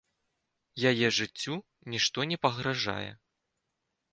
Яе жыццю нішто не пагражае.